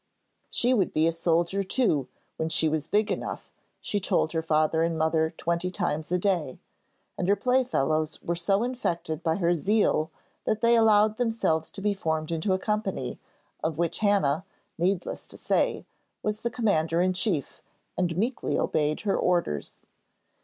'She would be a soldier too when she was big enough,' she told her father and mother twenty times a day, and her playfellows were so infected by her zeal, that they allowed themselves to be formed into a company, of which Hannah, needless to say, was the commander in chief, and meekly obeyed her orders.